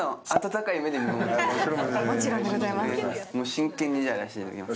真剣にやらせていただきます。